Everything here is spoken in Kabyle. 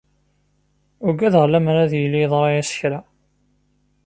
Ugadeɣ lemmer ad yili yeḍra-as kra.